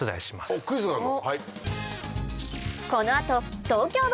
おっクイズがあんの？